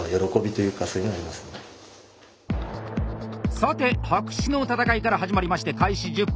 さて白紙の戦いから始まりまして開始１０分。